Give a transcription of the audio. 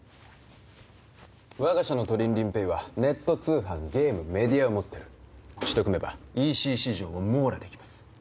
我が社のトリンリンＰａｙはネット通販ゲームメディアを持ってるうちと組めばＥＣ市場を網羅できます